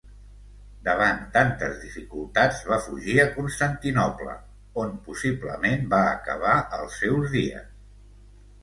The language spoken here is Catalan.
Davant tantes dificultats va fugir a Constantinoble, on possiblement va acabar els seus dies.